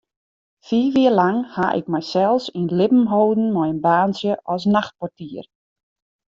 Fiif jier lang ha ik mysels yn libben holden mei in baantsje as nachtportier.